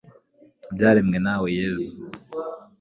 byaremwe nawe yezu